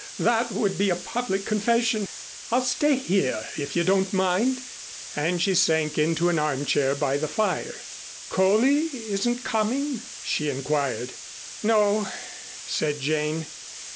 That would be a public confession. I'll stay here if you don't mind," and she sank into an armchair by the fire. "Coley isn't coming?" she inquired. "No," said Jane.